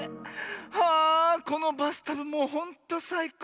ああこのバスタブもうほんとさいこう。